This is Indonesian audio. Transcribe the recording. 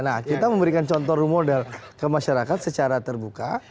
nah kita memberikan contoh rule model ke masyarakat secara terbuka